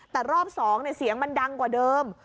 แต่รอบ๒เสียงมันดังกว่าเดิม